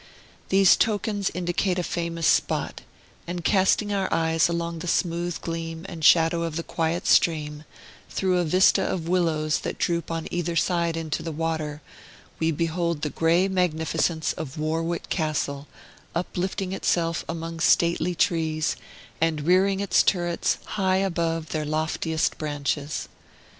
These tokens indicate a famous spot; and casting our eyes along the smooth gleam and shadow of the quiet stream, through a vista of willows that droop on either side into the water, we behold the gray magnificence of Warwick Castle, uplifting itself among stately trees, and rearing its turrets high above their loftiest branches.